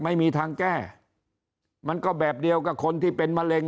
ไม่มีทางแก้มันก็แบบเดียวกับคนที่เป็นมะเร็ง